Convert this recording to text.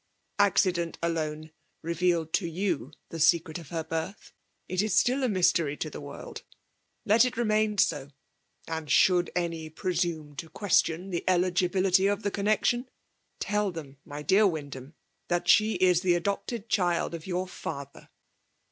Accident alone re vealed id you the secret of her birth, — ^it is still a mystery to the world. Let it remairi 80> — and, should any presume t6| question Ae eKgibfiity of the connexion, tell them, my dear Wyndham, that she is the adopted ichild of your father.